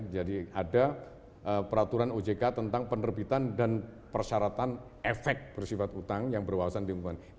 jadi ada peraturan ojk tentang penerbitan dan persyaratan efek bersifat utang yang berwawasan di umumannya